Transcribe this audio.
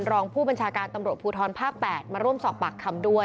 รองผู้บัญชาการตำรวจภูทรภาค๘มาร่วมสอบปากคำด้วย